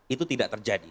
itu tidak terjadi